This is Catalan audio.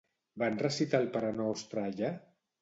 Van recitar el parenostre allà?